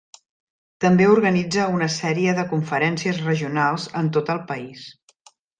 També organitza una sèrie de conferències regionals en tot el país.